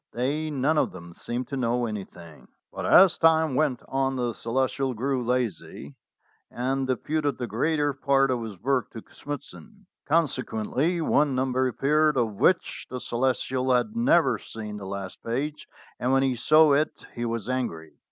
They none of them seemed to know anything. But as time went on the Celestial grew lazy, and deputed the greater part of his work to Smithson. Consequently one number appeared of which the Ce lestial had never seen the last page, and when he saw it he was angry.